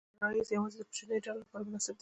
دا غرایز یواځې د کوچنیو ډلو لپاره مناسب دي.